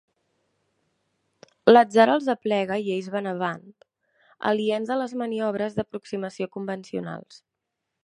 L'atzar els aplega i ells van avant, aliens a les maniobres d'aproximació convencionals.